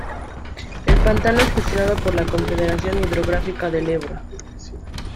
El pantano es gestionado por la Confederación Hidrográfica del Ebro.